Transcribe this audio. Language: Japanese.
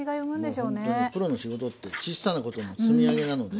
もうほんとにプロの仕事ってちっさなことの積み上げなので。